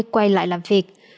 quay lại làm việc